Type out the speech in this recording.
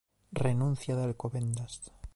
Renuncia de Alcobendas.